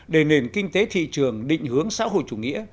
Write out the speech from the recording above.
để nền kinh tế thị trường định hướng xã hội chủ nghĩa